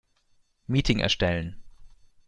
Meeting erstellen.